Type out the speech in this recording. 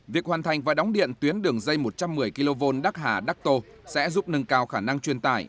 việc hoàn thành và đóng điện tuyến đường dây một trăm một mươi kv đắc hà đắc tô sẽ giúp nâng cao khả năng truyền tải